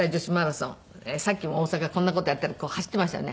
さっきも大阪こんな事やったり走っていましたよね。